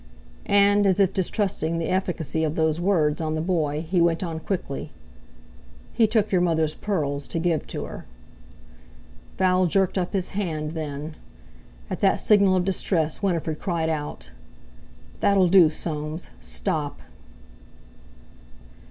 And, as if distrusting the efficacy of those words on the boy, he went on quickly: "He took your mother's pearls to give to her." Val jerked up his hand, then. At that signal of distress Winifred cried out: "That'll do, Soames—stop!"